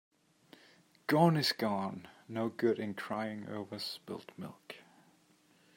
Gone is gone. No good in crying over spilt milk.